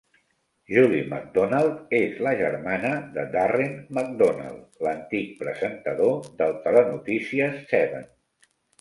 Julie McDonald és la germana de Darren McDonald, l'antic presentador del telenotícies Seven.